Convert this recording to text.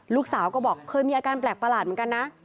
ลูกสาวก็บอกเคยมีอาการแปลกประหลาดเหมือนกันนะ